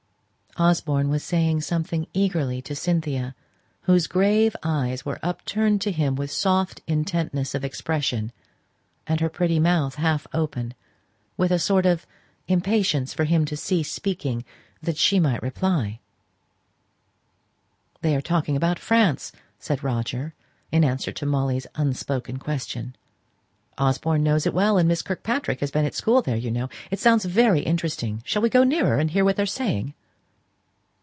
Osborne was saying something eagerly to Cynthia, whose grave eyes were upturned to him with soft intentness of expression, and her pretty mouth half open, with a sort of impatience for him to cease speaking, that she might reply. "They are talking about France," said Roger, in answer to Molly's unspoken question. "Osborne knows it well, and Miss Kirkpatrick has been at school there, you know. It sounds very interesting; shall we go nearer and hear what they are saying?"